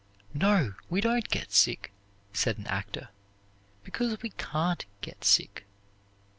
"No, we don't get sick," said an actor, "because we can't get sick.